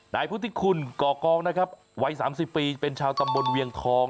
นายพุทธิคุณก่อกองนะครับวัย๓๐ปีเป็นชาวตำบลเวียงทอง